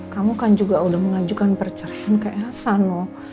kamu kan juga udah mengajukan perceraian ke elsa no